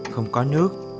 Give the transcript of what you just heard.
không có nước